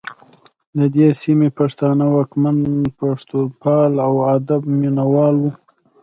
د دې سیمې پښتانه واکمن پښتوپال او د ادب مینه وال وو